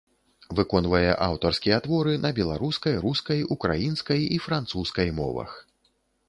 Выконвае аўтарскія творы на беларускай, рускай, украінскай і французскай мовах.